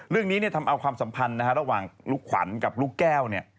เรื่องนี้ทำเอาความสัมพันธ์ระหว่างลูกขวัญกับลูกแก้ว